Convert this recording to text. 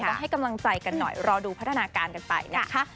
ต้องให้กำลังใจกันหน่อยรอดูพัฒนาการกันไปนะคะ